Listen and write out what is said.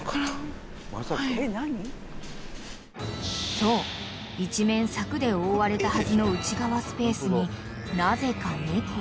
［そう一面柵で覆われたはずの内側スペースになぜか猫］